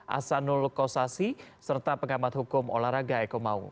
asanul kossasi serta pengamat hukum olahraga eko mau